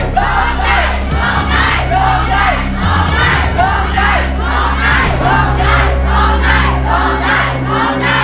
ร้องได้ร้องได้ร้องได้